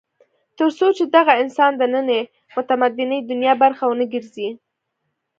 تر څو چې دغه انسان د نننۍ متمدنې دنیا برخه ونه ګرځي.